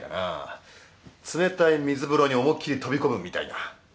冷たい水風呂に思いっ切り飛び込むみたいな。